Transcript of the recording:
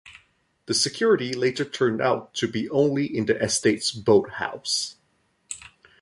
The security later turned out to be only in the estate's boat house.